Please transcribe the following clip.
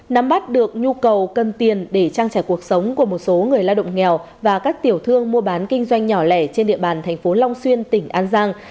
nắm bắt được nhu cầu cần tiền để trang trải cuộc sống của một số người lao động nghèo và các tiểu thương mua bán kinh doanh nhỏ lẻ trên địa bàn thành phố long xuyên tỉnh an giang